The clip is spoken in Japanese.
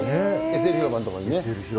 ＳＬ広場の所にね。